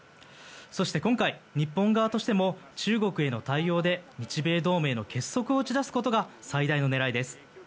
そして今回、日本側としても中国への対応で日米同盟の結束を打ち出すことが最大の狙いです。